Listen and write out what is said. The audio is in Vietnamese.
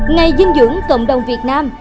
ngày dinh dưỡng cộng đồng việt nam